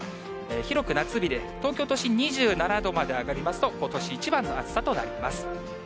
広く夏日で、東京都心２７度まで上がりますと、ことし一番の暑さとなります。